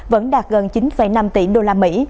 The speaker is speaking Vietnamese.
vẫn đạt gần chín năm tỷ đô la mỹ